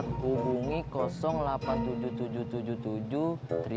tunggu saya lanjut